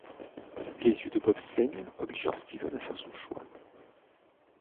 Les yeux de Bob saignent, obligeant Steven à faire son choix.